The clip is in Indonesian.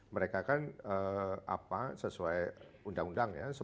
mereka kan sesuai undang undang ya